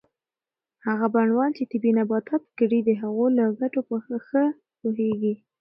هغه بڼوال چې طبي نباتات کري د هغوی له ګټو په ښه پوهیږي.